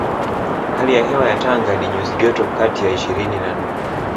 Hali ya hewa ya Tanga ni nyuzi joto kati ya ishirini na nne